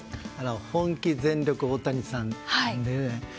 本気、全力、大谷さんで。